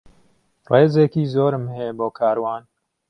ڕێزێکی زۆرم هەیە بۆ کاروان.